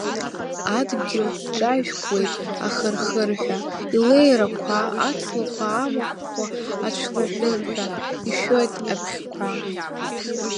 Адгьыл ҿажәкуеит, ахыр-хырҳәа, илеир ақәа, аҵлагь амахәқәа ацәлаҳәырҳәа, ишәоит абӷьқәа!